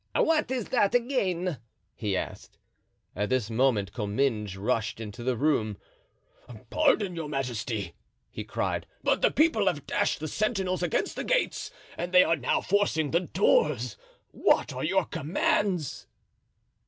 "What is that again?" he asked. At this moment Comminges rushed into the room. "Pardon, your majesty," he cried, "but the people have dashed the sentinels against the gates and they are now forcing the doors; what are your commands?"